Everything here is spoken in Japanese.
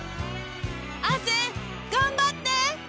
亜生頑張って！